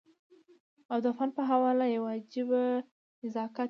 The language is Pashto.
او د فن په حواله يو عجيبه نزاکت